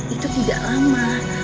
itu tidak lama